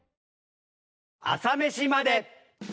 「朝メシまで。」。